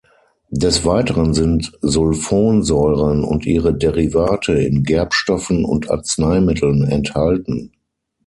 Des Weiteren sind Sulfonsäuren und ihre Derivate in Gerbstoffen und Arzneimitteln enthalten.